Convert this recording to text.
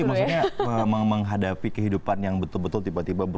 shop gak sih maksudnya menghadapi kehidupan yang betul betul tiba tiba berubah